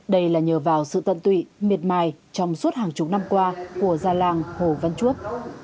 đây là nhờ vào sự tận tụy miệt mài trong suốt hàng chục năm qua của gia làng hồ văn chuộc